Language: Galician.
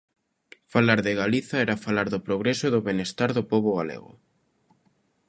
Falar de Galiza era falar do progreso e do benestar do pobo galego.